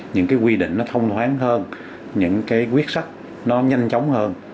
những cái quy định nó thông thoáng hơn những cái quyết sách nó nhanh chóng hơn